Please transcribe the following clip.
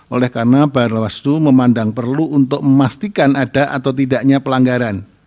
oleh karena bawaslu memandang perlu untuk memastikan ada atau tidaknya pelanggaran